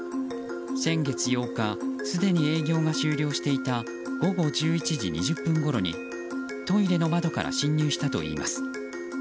先月８日すでに営業が終了していた午後１１時２０分ごろにトイレの窓から侵入したといいます。